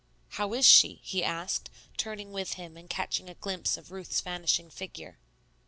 "How is she?" he asked, turning with him and catching a glimpse of Ruth's vanishing figure.